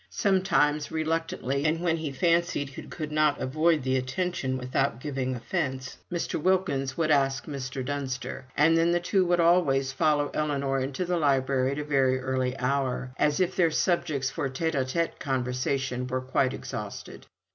Sometimes, reluctantly, and when he fancied he could not avoid the attention without giving offence, Mr. Wilkins would ask Mr. Dunster, and then the two would always follow Ellinor into the library at a very early hour, as if their subjects for tete a tete conversation were quite exhausted.